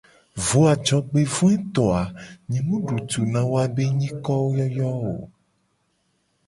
Vo a jogbevoeto a nye mu du tu na woabe be nyikoyoyowo o.